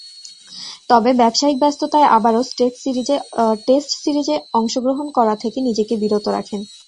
তবে, ব্যবসায়িক ব্যস্ততায় আবারও টেস্ট সিরিজে অংশগ্রহণ করা থেকে নিজেকে বিরত রাখেন।